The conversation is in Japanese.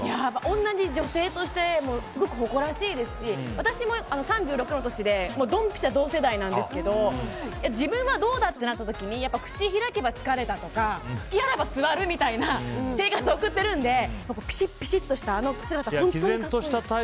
同じ女性としてすごく誇らしいですし私も３６の年でどんぴしゃ、同世代なんですけど自分はどうだってなった時に口を開けば疲れたとか隙あらば座るみたいな生活を送っているのでピシッピシッとしたあの姿は本当に格好いい。